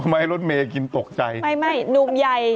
ไม่ให้รถเมย์กินตกใจไม่ไม่หนุ่มใหญ่